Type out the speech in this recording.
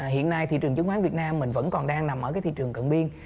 hiện nay thị trường chứng khoán việt nam mình vẫn còn đang nằm ở cái thị trường cận biên